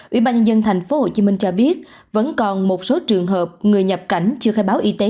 ủy ban nhà dân thành phố hồ chí minh cho biết vẫn còn một số trường hợp người nhập cảnh chưa khai báo y tế